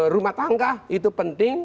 rumah tangga itu penting